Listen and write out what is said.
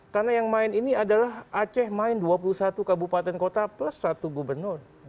karena yang main ini adalah aceh main dua puluh satu kabupaten kota plus satu gubernur